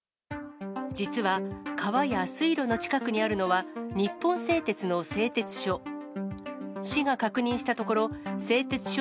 実は、川や水路の近くにあるのは、日本製鉄の製鉄所。